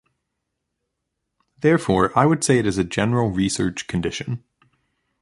Therefore, I would say it is a general research condition.